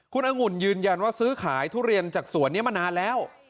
คุณองุ่นยืนยันว่าซื้อขายทุเรียนจากสวนนี้มานานแล้ว